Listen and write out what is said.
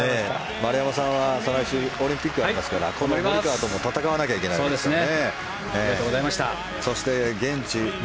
丸山さんは再来週オリンピックがありますからモリカワとも戦わなきゃいけないですよね。